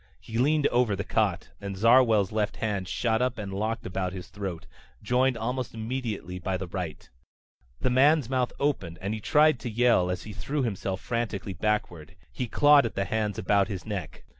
He leaned over the cot and Zarwell's left hand shot up and locked about his throat, joined almost immediately by the right. The man's mouth opened and he tried to yell as he threw himself frantically backward. He clawed at the hands about his neck.